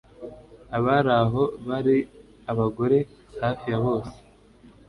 Abari aho bari abagore hafi ya bose